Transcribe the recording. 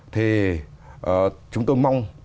thì chúng tôi mong